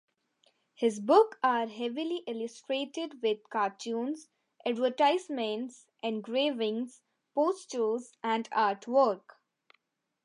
His book are heavily illustrated with cartoons, advertisements, engravings, posters and artwork.